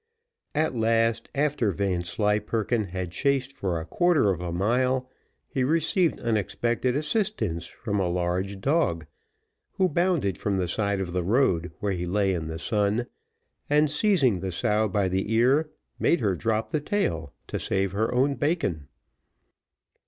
At last, after Vanslyperken had chased for a quarter of a mile, he received unexpected assistance from a large dog, who bounded from the side of the road, where he lay in the sun, and seizing the sow by the ear, made her drop the tail to save her own bacon.